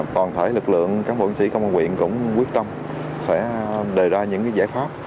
toàn thể lực lượng các bộ an sĩ công an quyền cũng quyết tâm sẽ đề ra những giải pháp